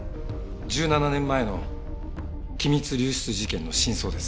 １７年前の機密流出事件の真相です。